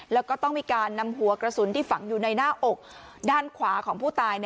แล้วก็ต้องมีการนำหัวกระสุนที่ฝังอยู่ในหน้าอกด้านขวาของผู้ตาย